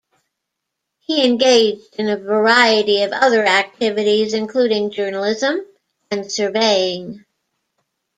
He engaged in a variety of other activities, including journalism and surveying.